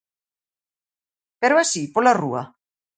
Pero así pola rúa?